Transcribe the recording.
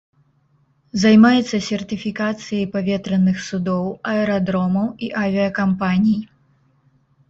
Займаецца сертыфікацыяй паветраных судоў, аэрадромаў і авіякампаній.